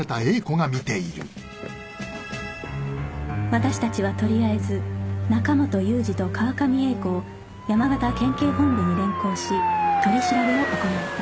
私達はとりあえず中本祐次と川上英子を山形県警本部に連行し取り調べを行った